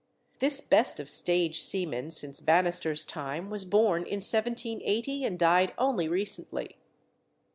This best of stage seamen since Bannister's time was born in 1780, and died only recently.